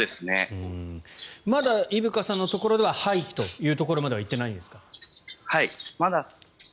まだ伊深さんのところでは廃棄というところまではいってないんですか？